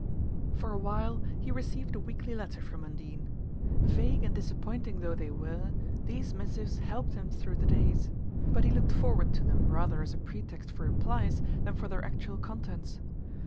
For a while he received a weekly letter from Undine. Vague and disappointing though they were, these missives helped him through the days; but he looked forward to them rather as a pretext for replies than for their actual contents.